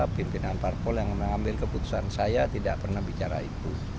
pimpinan parpol yang mengambil keputusan saya tidak pernah bicara itu